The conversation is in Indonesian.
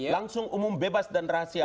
langsung umum bebas dan rahasia